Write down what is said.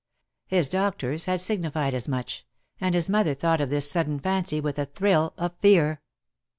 His doctors had signified as much; and his mother thought of this sudden fancy with a thrill of fear.